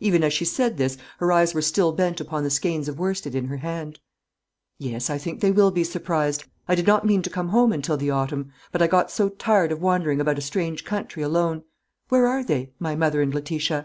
Even as she said this her eyes were still bent upon the skeins of worsted in her hand. "Yes; I think they will be surprised. I did not mean to come home until the autumn. But I got so tired of wandering about a strange country alone. Where are they my mother and Letitia?"